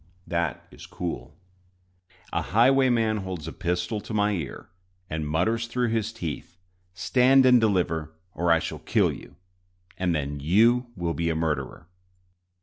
That is cool. A highwayman holds a pistol to my ear, and mutters through his teeth, "Stand and deliver, or I shall kill you, and then you will be a murderer!"